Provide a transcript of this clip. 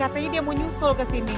atau kita mau langsung ke rumah sakit aja